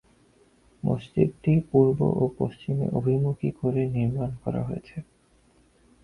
মসজিদটি পূর্ব ও পশ্চিমে অভিমুখী করে নির্মাণ করা হয়েছে।